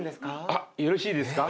あっよろしいですか？